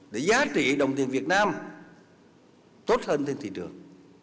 để giá trị đồng tiền việt nam tốt hơn trên thị trường